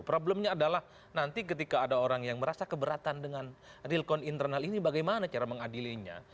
problemnya adalah nanti ketika ada orang yang merasa keberatan dengan real call internal ini bagaimana cara mengadilinya